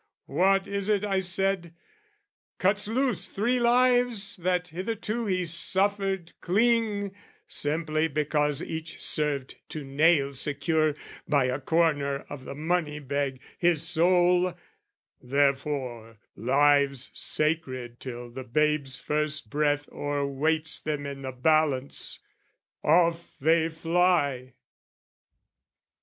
what is it I said? cuts loose Three lives that hitherto he suffered cling, Simply because each served to nail secure, By a corner of the money bag, his soul, Therefore, lives sacred till the babe's first breath O'erweights them in the balance, off they fly!